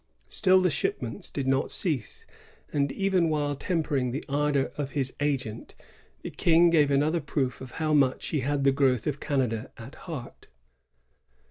Still the shipments did not cease ; and, even while tempering the ardor of his agent, the King gave another proof how much he had the growth of Canada at heart.